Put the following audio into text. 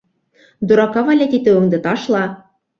— Дурака валять итеүеңде ташла!